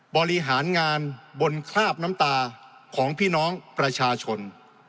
บริหารงานบนคราบน้ำตาของพี่น้องประชาชน